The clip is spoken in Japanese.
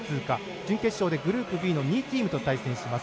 準決勝でグループＢの２位チームと対戦します。